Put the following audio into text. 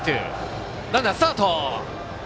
ランナー、スタート。